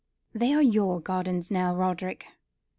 "They are your gardens now, Roderick.